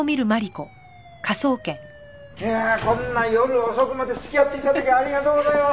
いやこんな夜遅くまで付き合って頂きありがとうございます。